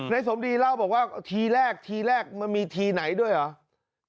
สมดีเล่าบอกว่าทีแรกทีแรกมันมีทีไหนด้วยเหรอ